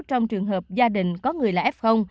trong trường hợp gia đình có người là f